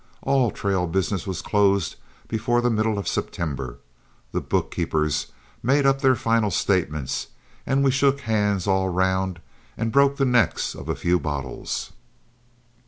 All trail business was closed before the middle of September, the bookkeepers made up their final statements, and we shook hands all round and broke the necks of a few bottles.